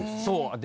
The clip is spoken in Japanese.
そう。